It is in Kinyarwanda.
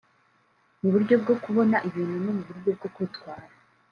mu buryo bwo kubona ibintu no mu buryo bwo kwitwara